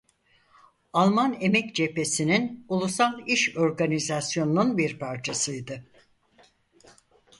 Alman Emek Cephesi'nin ulusal iş organizasyonunun bir parçasıydı.